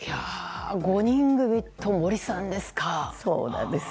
５人組と森さんですか。